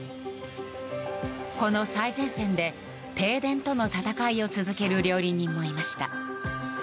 この最前線で、停電との戦いを続ける料理人もいました。